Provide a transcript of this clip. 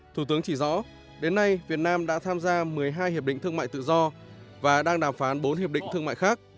thủ tướng chỉ rõ đến nay việt nam đã tham gia một mươi hai hiệp định thương mại tự do và đang đàm phán bốn hiệp định thương mại khác